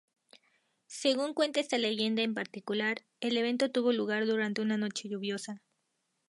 Según cuenta esta leyenda en particular, el evento tuvo lugar durante una noche lluviosa.